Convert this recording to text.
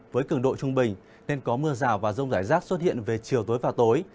với cường độ trung bình nên có mưa rào và rông rải rác xuất hiện về chiều tối và tối